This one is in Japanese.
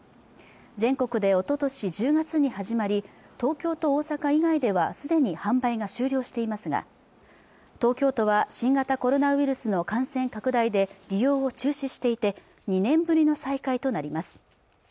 全国でおととし１０月に始まり東京と大阪以外では既に販売が終了していますが東京都は新型コロナウイルスの感染拡大で利用を中止していて２年ぶりの再開となります